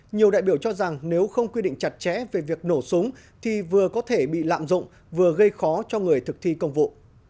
nhiều đại biểu cho rằng nếu không quy định chặt chẽ về việc nổ súng thì vừa có thể bị lạm dụng vừa gây khó cho người thực thi công vụ